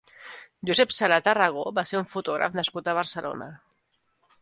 Josep Sala Tarragó va ser un fotògraf nascut a Barcelona.